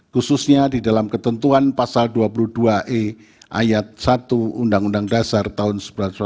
khususnya di dalam ketentuan pasal dua puluh dua e ayat satu undang undang dasar tahun seribu sembilan ratus empat puluh lima